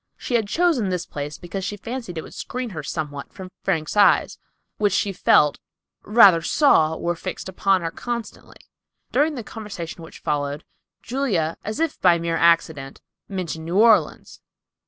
She had chosen this place, because she fancied it would screen her somewhat from Frank's eyes, which she felt, rather than saw, were fixed upon her constantly. During the conversation which followed, Julia, as if by mere accident, mentioned New Orleans.